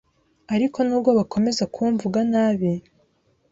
Ariko n'ubwo bakomeza kumvuga nabi